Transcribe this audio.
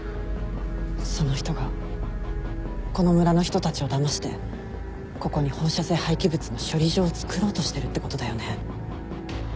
その人がこの村の人たちをだましてここに放射性廃棄物の処理場を造ろうとしてるってことだよね。